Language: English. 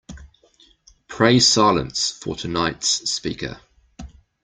Pray silence for tonight’s speaker.